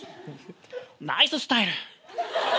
ナイススタイル。